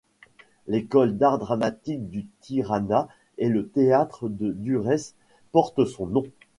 L'École d'art dramatique de Tirana et le théâtre de Durrës portent son nom.